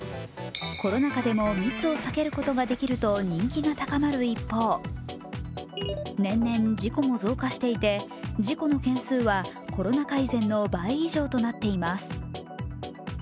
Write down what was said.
コロナ禍でも密を避けることができると人気が高まる一方、年々、事故も増加していて事故の件数はコロナ禍以前の倍以上となっています。